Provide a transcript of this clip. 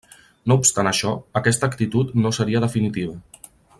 No obstant això, aquesta actitud no seria definitiva.